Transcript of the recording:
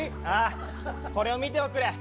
これを見ておくれ。